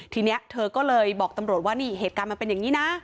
ทีนี้เธอก็เลยบอกตำรวจว่านี่เหตุการณ์มันเป็นอย่างนี้นะ